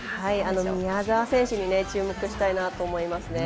宮澤選手に注目したいと思います。